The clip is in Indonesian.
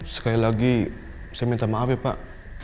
sekali lagi saya minta maaf ya pak